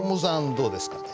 どうですかね？